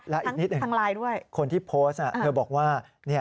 และอีกนิดหนึ่งคนที่โพสต์เธอบอกว่า